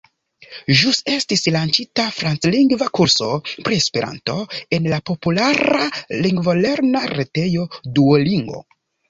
Ĵus estis lanĉita franclingva kurso pri Esperanto en la populara lingvolerna retejo Duolingo.